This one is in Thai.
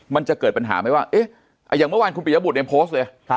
มันจะเกิดปัญหาไหมว่าอย่างเมื่อวานคุณปิยบุตรเนี่ยโพสต์เลย